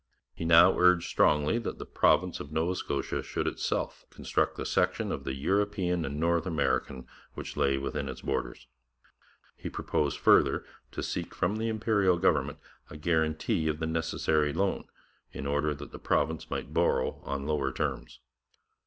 He now urged strongly that the province of Nova Scotia should itself construct the section of the European and North American which lay within its borders. He proposed further to seek from the Imperial government a guarantee of the necessary loan, in order that the province might borrow on lower terms.